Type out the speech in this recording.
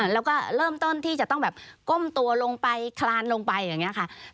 แล้วก็เริ่มต้นที่จะต้องแบบก้มตัวลงไปคลานลงไปอย่างนี้ค่ะ